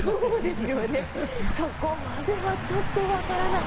そこまではちょっとわからない。